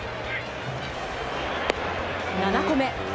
７個目。